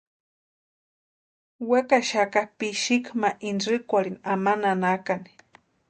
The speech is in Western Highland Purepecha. Wekaxaka pixiki ma intsïkwarhini ama nanakani.